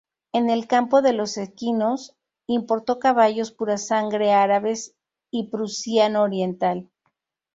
En el campo de los equinos, importó caballos pura sangre árabes y prusiano oriental.